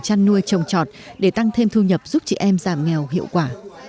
chăn nuôi trồng trọt để tăng thêm thu nhập giúp chị em giảm nghèo hiệu quả